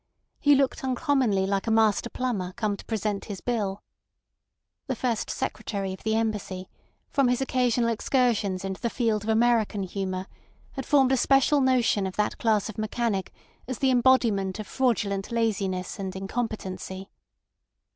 He looked uncommonly like a master plumber come to present his bill. The First Secretary of the Embassy, from his occasional excursions into the field of American humour, had formed a special notion of that class of mechanic as the embodiment of fraudulent laziness and incompetency.